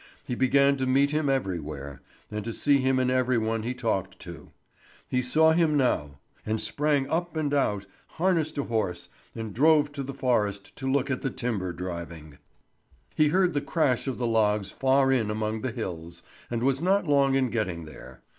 He began to meet him everywhere, and to see him in every one he talked to. He saw him now, and sprang up and out, harnessed a horse, and drove to the forest to look at the timber driving. He heard the crash of the logs far in among the hills, and was not long in getting there.